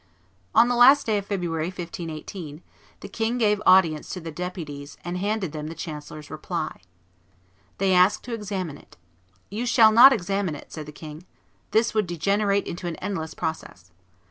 On the last day of February, 1518, the king gave audience to the deputies, and handed them the chancellor's reply. They asked to examine it. "You shall not examine it," said the king; "this would degenerate into an endless process.